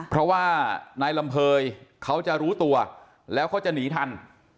เพราะว่านายลำเภยเขาจะรู้ตัวแล้วเขาจะหนีทัน